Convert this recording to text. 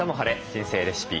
人生レシピ」